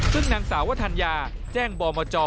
ซึ่งนางสาววทัญญาแจ้งบมจ